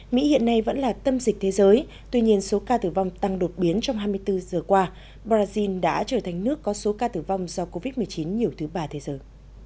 mỹ hiện nay vẫn là tâm dịch thế giới tuy nhiên số ca tử vong tăng đột biến trong hai mươi bốn giờ qua brazil đã trở thành nước có số ca tử vong do covid một mươi chín nhiều thứ ba thế giới